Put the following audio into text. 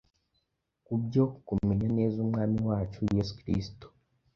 ku byo kumenya neza Umwami wacu Yesu Kristo.